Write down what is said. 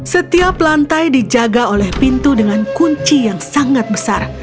setiap lantai dijaga oleh pintu dengan kunci yang sangat besar